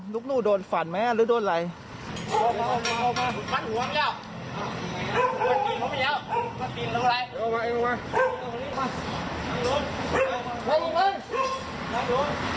น้องกลุ่นกลิ่นมันกลุ่นกลิ่น